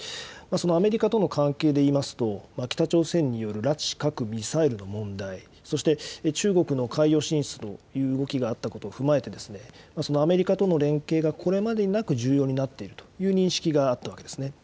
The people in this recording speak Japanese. そのアメリカとの関係で言いますと、北朝鮮による拉致・核・ミサイルの問題、そして中国の海洋進出という動きがあったことを踏まえて、そのアメリカとの連携がこれまでになく重要になっているという認識があったわけですね。